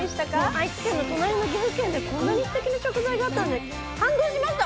愛知県の隣の岐阜県でこんなにすてきな食材があったんで感動しました。